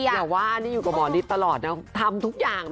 อย่าว่านี่อยู่กับหมอฤทธิ์ตลอดนะทำทุกอย่าง